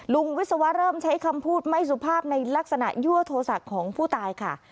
วิศวะเริ่มใช้คำพูดไม่สุภาพในลักษณะยั่วโทรศัพท์ของผู้ตายค่ะ